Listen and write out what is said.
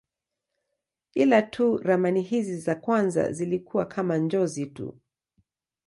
Ila tu ramani hizi za kwanza zilikuwa kama njozi tu.